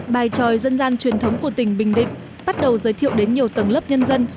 bài tròi dân gian truyền thống của tỉnh bình định bắt đầu giới thiệu đến nhiều tầng lớp nhân dân